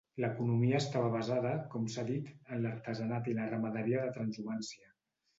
L'economia estava basada, com s'ha dit, en l'artesanat i la ramaderia de transhumància.